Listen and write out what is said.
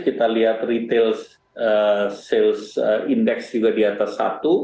kita lihat retail sales index juga di atas satu